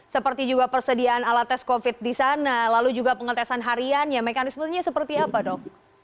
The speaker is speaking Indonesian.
seperti juga persediaan alat tes covid di sana lalu juga pengetesan hariannya mekanismenya seperti apa dok